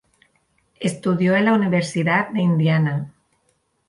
Estudió en la Universidad de Indiana.